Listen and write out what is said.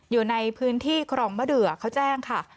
อยู่ในพื้นที่ครองมะเดือเขาแจ้งค่ะ